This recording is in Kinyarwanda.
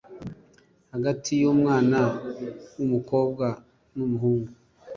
hagati y'umwana w'umukobwa n'umuhungu